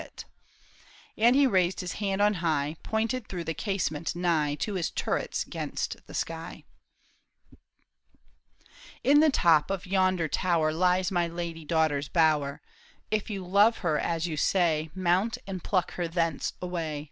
THE TOWER OF BO UV ERIE. And he raised his hand on high, Pointed through the casement nigh To his turrets 'gainst the sky. " In the top of yonder tower Lies my lady daughter's bower ; If you love her as you say, Mount and pluck her thence away.